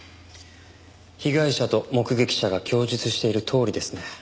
被害者と目撃者が供述しているとおりですね。